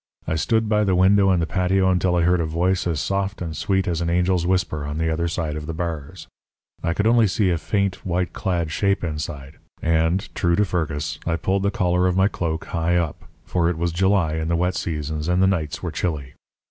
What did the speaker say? I stood by the window in the patio until I heard a voice as soft and sweet as an angel's whisper on the other side of the bars. I could see only a faint, white clad shape inside; and, true to Fergus, I pulled the collar of my cloak high up, for it was July in the wet seasons, and the nights were chilly.